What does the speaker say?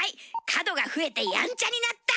角が増えてやんちゃになった！